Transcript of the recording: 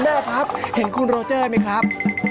แม่ครับเห็นคุณโรเจอร์ไหมครับ